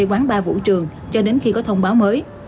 quán bar vũ trường cho đến khi có thông báo mới